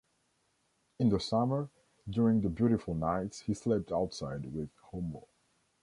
In the summer, during the beautiful nights, he slept outside, with Homo.